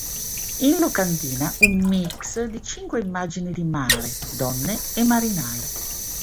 In locandina un "mix" di cinque immagini di mare, donne e marinai.